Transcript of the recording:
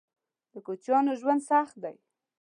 _د کوچيانو ژوند سخت دی.